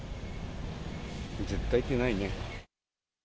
絶対ってないね。